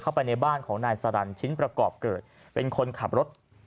เข้าไปในบ้านของนายสารันชิ้นประกอบเกิดเป็นคนขับรถ